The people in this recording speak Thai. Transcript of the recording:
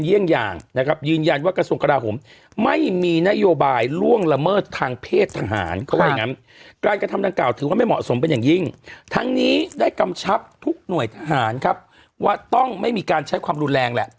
ทั้งนี้ได้กำชับทุกหน่วยทหารครับว่าต้องไม่มีการใช้ความรุนแรงแหละ